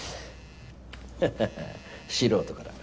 ハハハッ素人から。